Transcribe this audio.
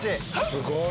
すごい！